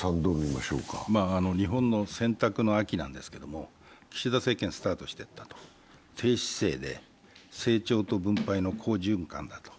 日本の選択の秋なんだけども、岸田政権がスタートして、低姿勢で成長と分配の好循環だと。